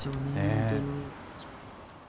本当に。